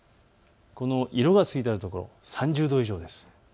色がついてあるところ、３０度以上です。